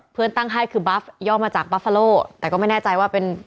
เพื่อนตั้งให้คือบัฟย่อมาจากบัฟฟาโลแต่ก็ไม่แน่ใจว่าเป็น